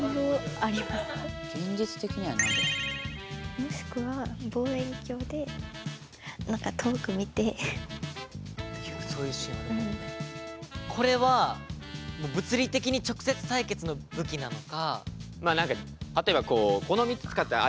もしくはこれはもう物理的に直接対決の武器なのか？